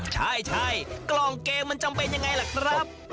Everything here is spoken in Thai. ใช่กล่องเกมมันจำเป็นยังไงล่ะครับ